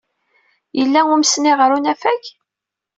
Yella umesni ɣer unafag?